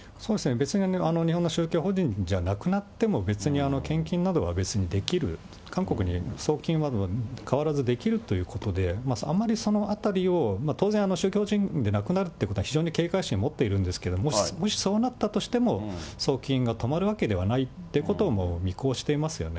別に日本の宗教法人じゃなくなっても、別に献金などは別にできる、韓国に送金は変わらずできるということで、あまりそのあたりを当然宗教法人でなくなるということは非常に警戒心を持っているんですけれども、もしそうなったとしても、送金が止まるわけではないということを見越していますよね。